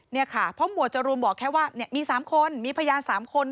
นี่ค่ะเพราะหมวดจรูนบอกแค่ว่ามี๓คนมีพยาน๓คน